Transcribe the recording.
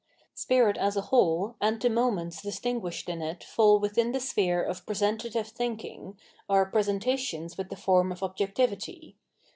Spirit as a whole and the moments distinguished in it fall within the sphere of presentative thinking, are presentations with the form of objectivity.